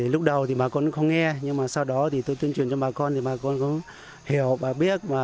lúc đầu thì bà con không nghe nhưng mà sau đó tôi tuyên truyền cho bà con thì bà con cũng hiểu bà biết